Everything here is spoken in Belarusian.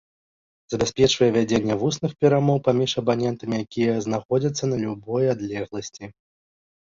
Забяспечвае вядзенне вусных перамоў паміж абанентамі, якія знаходзяцца на любой адлегласці.